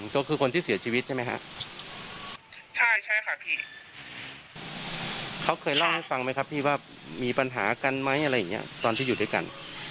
ก็คือคนที่เสียชีวิตใช่ไหมฮะใช่ใช่ค่ะพี่เขาเคยเล่าให้ฟังไหมครับพี่ว่ามีปัญหากันไหมอะไรอย่างเงี้ยตอนที่อยู่ด้วยกัน